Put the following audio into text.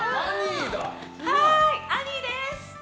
はーい！アニーです！